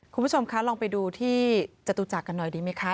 คุณผู้ชมคะลองไปดูที่จตุจักรกันหน่อยดีไหมคะ